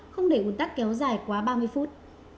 không để ủn tắc kéo dài quá ba mươi phút